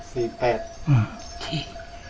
สี่แปดอืมสี่